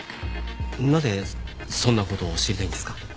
なぜそんな事を知りたいんですか？